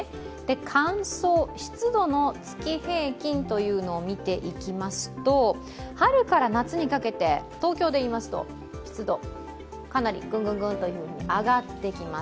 乾燥、湿度の月平均というのを見ていきますと春から夏にかけて、東京でいいますと湿度、かなりぐんぐんぐんと上がってきます。